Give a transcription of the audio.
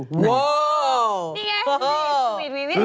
โว้วนี่ไงสวีท